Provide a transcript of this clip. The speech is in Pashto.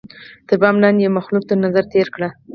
تر بام لاندي یې مخلوق تر نظر تېر کړ